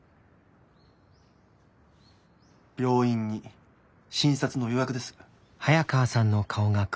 病院に診察の予約です。